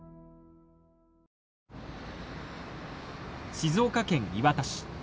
静岡県磐田市。